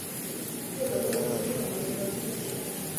镍镉电池是一种流行的蓄电池。